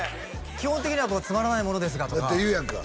基本的には「つまらないものですが」とかって言うやんか